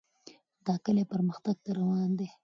دا کلی پرمختګ ته روان دی.